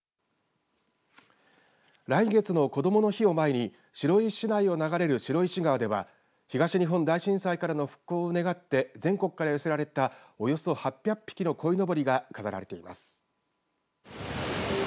来月のこどもの日を前に白石市内を流れる白石川では東日本大震災からの復興を願って全国から寄せられたおよそ８００匹のこいのぼりが飾られています。